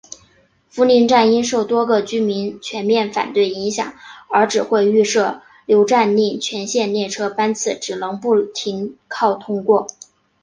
福邻站因受多个居民全面反对影响而只会设预留站令全线列车班次只能不停靠通过。